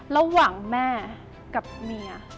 ระหว่างแม่กับเมีย